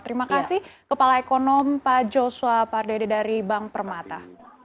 terima kasih kepala ekonom pak joshua pardede dari bank permata